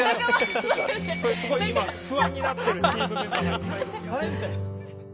それすごい今不安になってるチームメンバーがいっぱいいる。